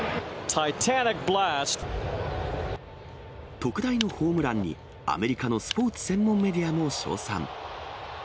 特大のホームランに、アメリカのスポーツ専門メディアも称賛。